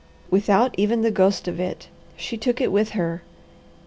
"Without even the ghost of it! She took it with her.